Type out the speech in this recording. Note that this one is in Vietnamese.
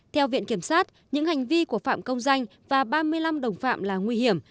theo viện kiểm sát những hành vi của phạm công danh và ba mươi năm đồng phạm là nguy hiểm